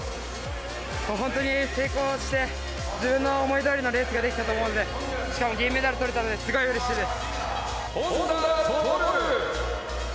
本当に成功して、自分の思いどおりのレースができたと思うので、しかも銀メダルとれたのですごいうれしいです。